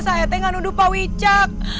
saya tengah nuduh pak wicak